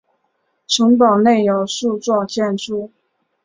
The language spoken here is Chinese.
城堡内有数座建筑。